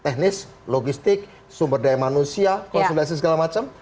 technis logistik sumber daya manusia konsulasi segala macam